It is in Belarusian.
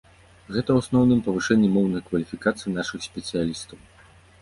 Гэта ў асноўным павышэнне моўнай кваліфікацыі нашых спецыялістаў.